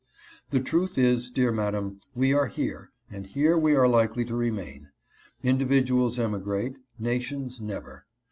The truth is, dear madam, we are here, and here we are likely to remain. Individuals emigrate — nations never.